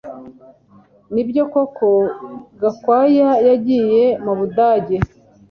Nibyo koko Gakwaya yagiye mubudage